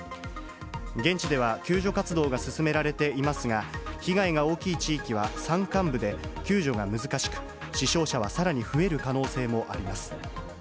現地では救助活動が進められていますが、被害が大きい地域は山間部で救助が難しく、死傷者はさらに増える可能性もあります。